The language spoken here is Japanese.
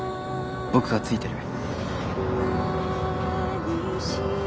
僕がついてる。